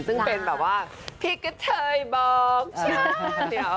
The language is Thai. ซึ่งเป็นแบบว่าพี่กะเทยบอกชื่อ